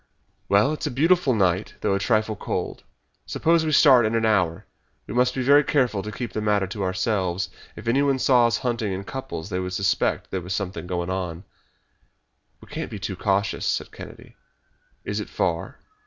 "Well, it is a beautiful night though a trifle cold. Suppose we start in an hour. We must be very careful to keep the matter to ourselves. If anyone saw us hunting in couples they would suspect that there was something going on." "We can't be too cautious," said Kennedy. "Is it far?"